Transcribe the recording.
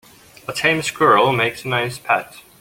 A tame squirrel makes a nice pet.